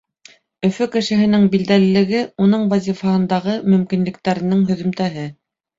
Өфө кешеһенең билдәлелеге — уның вазифаһындағы мөмкинлектәренең һөҙөмтәһе.